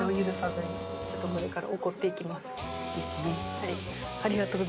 はい。